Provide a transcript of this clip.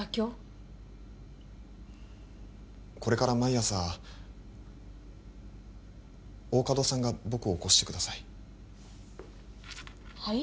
これから毎朝大加戸さんが僕を起こしてくださいはい？